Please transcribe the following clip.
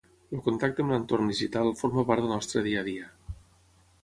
El contacte amb l'entorn digital forma part del nostre dia a dia.